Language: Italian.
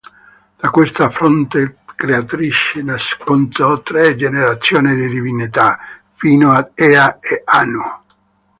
Da questa fonte creatrice nascono tre generazioni di divinità, fino ad Ea e Anu.